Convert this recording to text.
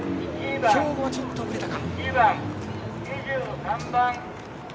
兵庫はちょっと遅れたか。